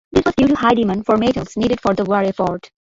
This was due to high demand for metals needed for the war effort.